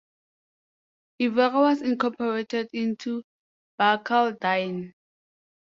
Evora was incorporated into Barcaldine.